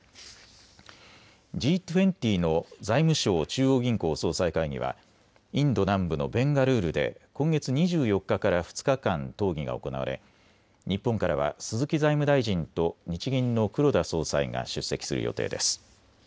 Ｇ２０の財務相・中央銀行総裁会議はインド南部のベンガルールで今月２４日から２日間討議が行われ日本からは鈴木財務大臣と日銀の黒田総裁が出席する予定です。